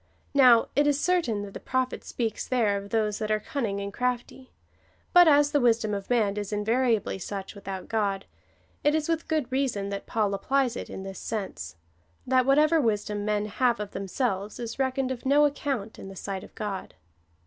Now it is certain, that the Prophet sjieahs there of those that are cunning and crafty ; but as the wisdom of man is invariably such without God,^ it is Avith good reason that Paul applies it in this sense, — that whatever wisdom men have of themselves is reckoned of no account in the sight of God.